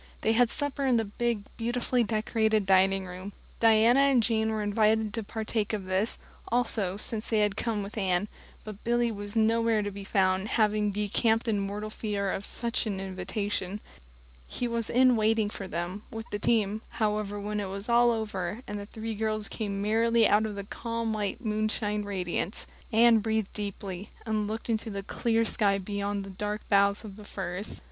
They had supper in the big, beautifully decorated dining room; Diana and Jane were invited to partake of this, also, since they had come with Anne, but Billy was nowhere to be found, having decamped in mortal fear of some such invitation. He was in waiting for them, with the team, however, when it was all over, and the three girls came merrily out into the calm, white moonshine radiance. Anne breathed deeply, and looked into the clear sky beyond the dark boughs of the firs.